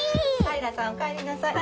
平さんおかえりなさい。